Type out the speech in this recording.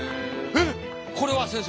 えっこれは先生。